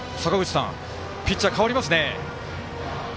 ピッチャー代わりますね。